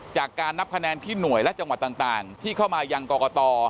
จากการนับคะแนนที่หน่วยและจังหวัดต่างที่เข้ามายังกรกต